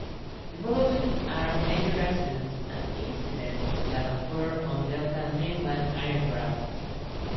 The following are major accidents and incidents that occurred on Delta mainline aircraft.